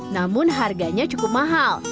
namun harganya cukup mahal